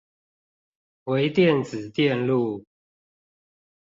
微電子電路